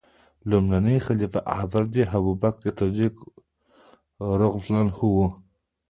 لومړنی خلیفه حضرت ابوبکر صدیق رض و.